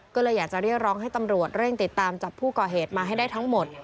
ก็เลยอยากจะเรียกร้องให้ตำรวจเร่งติดตามจับผู้ก่อเหตุมาให้ได้ทั้งหมด